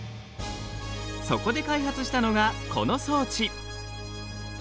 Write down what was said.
そこで開発したのがこの装置。